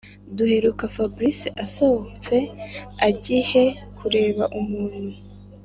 duheruka fabric asohotse agihe kureba umuntu